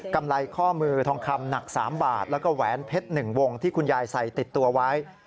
กำไรข้อมือทองคำหนัก๓บาทแล้วก็แหวนเพชร๑วงที่คุณยายใส่ติดตัวไว้